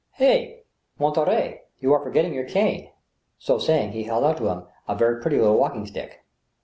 " Hi ! Monterey, you are forgetting your cane." So saying, he held out to him a very pretty little walking stick.